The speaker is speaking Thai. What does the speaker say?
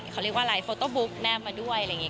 เขาเรียกว่าอะไรโฟโต้บุ๊กแนบมาด้วยอะไรอย่างนี้